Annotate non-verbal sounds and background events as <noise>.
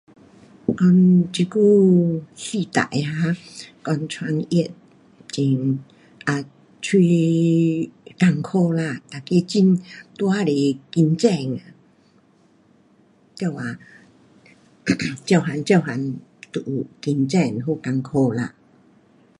um 讲这久时代啊，讲创业很，um 蛮困苦啦。每个很，多嘎多竞争。多少 <coughs> 各样各样都有竞争蛮困苦啦。